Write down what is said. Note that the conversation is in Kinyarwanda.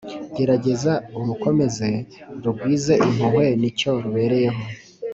gerageza urukomeze rugwize impuhwe ni cyo rubereyeho